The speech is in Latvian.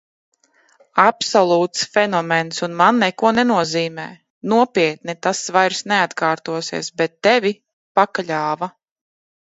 Absolūts fenomens un man neko nenozīmē, nopietni, tas vairs neatkārtosies.... bet tevi pakļāva!